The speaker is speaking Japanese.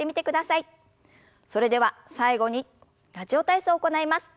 それでは最後に「ラジオ体操」を行います。